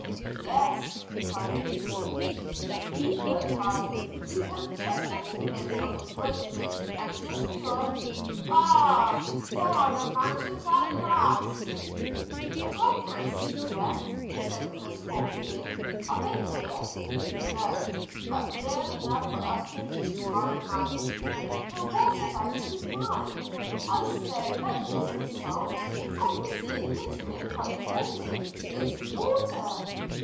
"Yes," he cried eagerly, "if you look hard you can just get a glimpse of a great ridge, and just beyond ragh! There are the mountains at last!" "I can't see them," said Chris thoughtfully. "Are they near?" "No; but near enough for us to reach to morrow night." "But what about to night? I say, that isn't salt. I can see it glittering quite plainly; it's water."